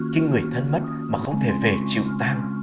cái người thân mất mà không thể về chịu tan